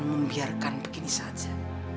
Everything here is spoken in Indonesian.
membiarkan begini saja